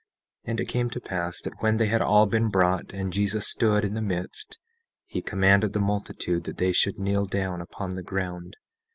17:13 And it came to pass that when they had all been brought, and Jesus stood in the midst, he commanded the multitude that they should kneel down upon the ground.